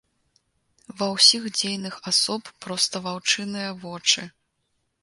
Ва ўсіх дзейных асоб проста ваўчыныя вочы.